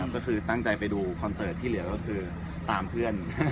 ก็คือตั้งใจไปดูคอนเสิร์ตที่เหลือก็คือตามเพื่อน